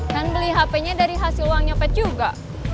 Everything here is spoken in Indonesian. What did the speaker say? kan beli hpnya dari hasil uang nyopet juga